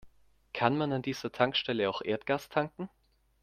Kann man an dieser Tankstelle auch Erdgas tanken?